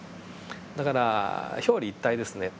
だから表裏一体ですね。